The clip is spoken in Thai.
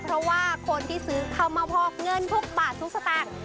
เพราะว่าคนที่ซื้อเข้ามาพอกเงินทุกบาททุกสตางค์